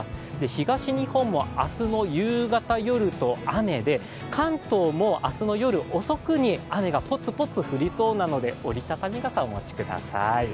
東日本も明日の夕方、夜と雨で、関東も明日の夜遅くに雨がポツポツ降りそうなので折り畳み傘をお持ちください。